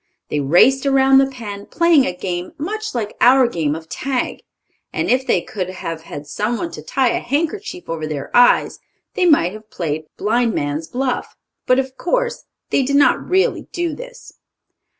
They raced around the pen, playing a game much like our game of tag, and if they could have had someone to tie a hand kerchief over their eyes, they might have played blind man's buff. But of course they did not really do this.